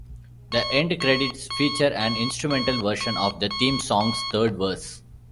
The end credits feature an instrumental version of the theme song's third verse.